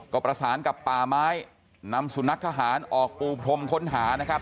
ก็ประสานกับป่าไม้นำสุนัขทหารออกปูพรมค้นหานะครับ